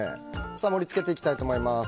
盛り付けていきたいと思います。